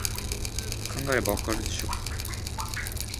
考えればわかるでしょ